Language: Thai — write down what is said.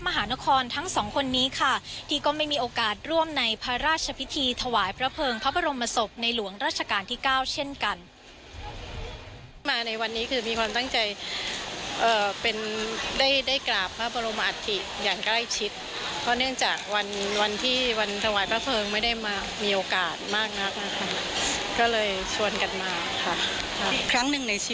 มหานครทั้งสองคนนี้ค่ะที่ก็ไม่มีโอกาสร่วมในพระราชพิธีถวายพระเพิงพระบรมศพในหลวงราชการที่๙เช่นกัน